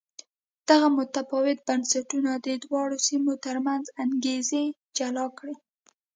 دغه متفاوت بنسټونه د دواړو سیمو ترمنځ انګېزې جلا کړې.